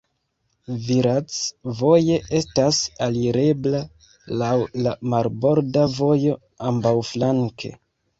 Virac voje estas alirebla laŭ la marborda vojo ambaŭflanke.